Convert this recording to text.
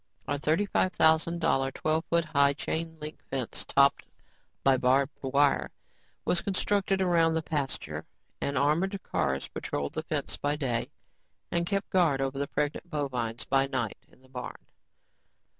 A thirty five thousand dollar, twelve foot high chain link fence, topped by barbed wire, was constructed around the pasture and armored cars patrolled the fence by day and kept guard over the pregnant bovines by night in the barn.